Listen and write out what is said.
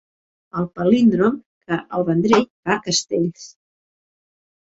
El palíndrom que a El Vendrell fa castells.